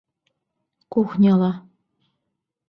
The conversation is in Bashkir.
Кухняла.